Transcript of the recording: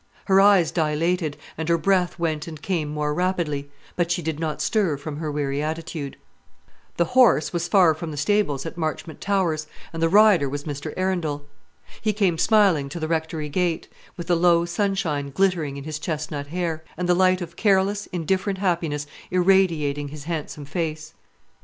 Her eyes dilated, and her breath went and came more rapidly; but she did not stir from her weary attitude. The horse was from the stables at Marchmont Towers, and the rider was Mr. Arundel. He came smiling to the Rectory gate, with the low sunshine glittering in his chesnut hair, and the light of careless, indifferent happiness irradiating his handsome face.